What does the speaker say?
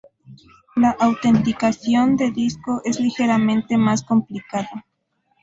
La autenticación de disco es ligeramente más complicada.